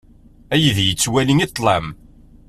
Aydi yettwali i ṭṭlam.